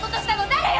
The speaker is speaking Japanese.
誰よ！？」